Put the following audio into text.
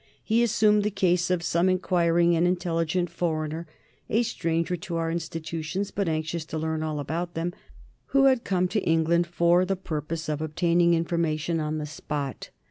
He assumed the case of some inquiring and intelligent foreigner, a stranger to our institutions but anxious to learn all about them, who had come to England for the purpose of obtaining information on the spot.